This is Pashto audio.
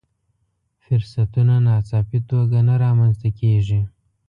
فرصتونه ناڅاپي توګه نه رامنځته کېږي.